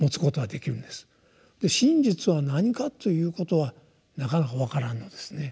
真実は何かということはなかなか分からんのですね。